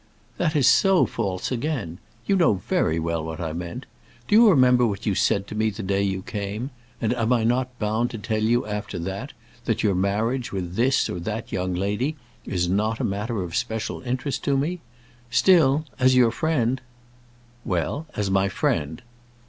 "That is so false again! You know very well what I meant. Do you remember what you said to me the day you came? and am I not bound to tell you after that, that your marriage with this or that young lady is not matter of special interest to me? Still, as your friend " "Well, as my friend!"